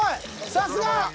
さすが。